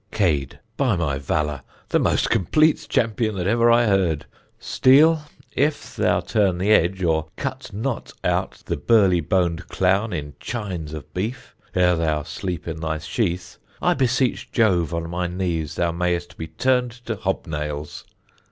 Cade. By my valour, the most complete champion that ever I heard. Steel, if thou turn the edge, or cut not out the burly boned clown in chines of beef ere thou sleep in thy sheath, I beseech Jove on my knees, thou mayest be turned to hobnails.